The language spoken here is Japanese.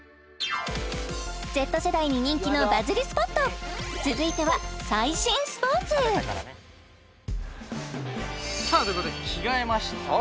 Ｚ世代に人気のバズりスポット続いては最新スポーツさあということで着替えました